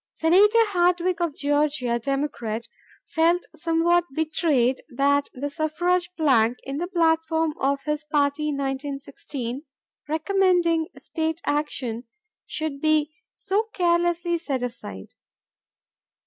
Senator Hardwick of Georgia, Democrat, felt somewhat betrayed that the suffrage plank in the platform of his party in 1916, recommending state action, should be so carelessly set aside.